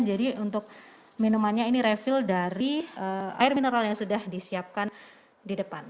jadi untuk minumannya ini refill dari air mineral yang sudah disiapkan di depan